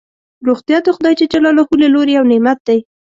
روغتیا دخدای ج له لوری یو نعمت دی